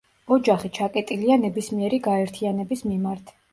ოჯახი ჩაკეტილია ნებისმიერი გაერთიანების მიმართ.